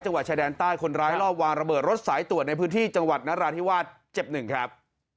วัดชายแดนใต้คนร้ายรอบวางระเบิดรถสายตรวจในพื้นที่จังหวัดนราธิวาสเจ็บหนึ่งครับ